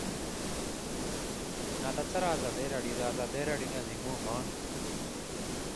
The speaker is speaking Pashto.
ازادي راډیو د ورزش په اړه د نړیوالو مرستو ارزونه کړې.